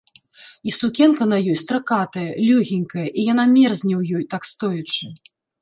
І сукенка на ёй стракатая, лёгенькая, і яна мерзне ў ёй, так стоячы.